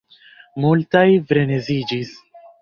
Multaj freneziĝis.